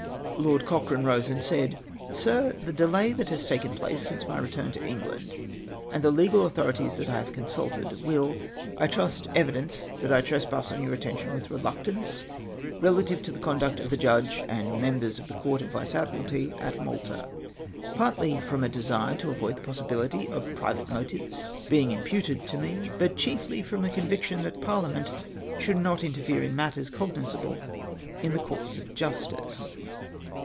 " Lord CocnEANE rose and said :—" Sir, — The delay that has taken place since my return to England, and the legal authorities that I have consulted, will, I trust, evidence that I trespass on your attention with reluct ance, relative to the conduct of the Judge and members of the Court of Vice Admiralty at Malta ; partly from a desire to avoid the possibility of private motives being imputed to o 4 200 MOTION ON MY ARREST. me, but chiefly from a couvietioii tliat Parliament should not interfere in matters coguisaljle in the courts of justice.